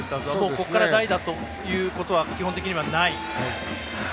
ここから代打ということは基本的にはない。